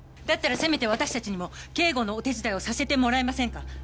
だったらせめて私たちにも警護のお手伝いをさせてもらえませんか？